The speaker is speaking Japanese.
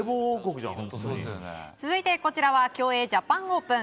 続いてこちらは競泳ジャパンオープン。